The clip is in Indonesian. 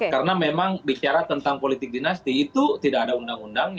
karena memang bicara tentang politik dinasti itu tidak ada undang undang